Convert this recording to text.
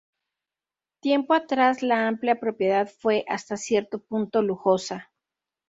Tiempo atrás, la amplia propiedad fue hasta cierto punto lujosa.